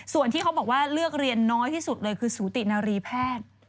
ส่วนที่เขาบอกว่าเลือกเรียนน้อยที่สุดเลยคือสูตินารีแพทย์